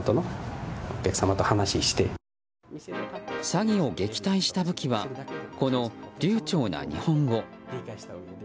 詐欺を撃退した武器はこの流暢な日本語。